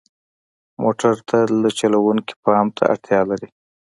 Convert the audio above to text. موټر تل د چلوونکي پام ته اړتیا لري.